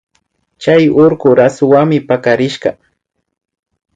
Chay urkuka rasuwanmi pakarishka